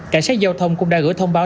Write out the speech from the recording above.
cảnh sát giao thông cũng đã gửi thông báo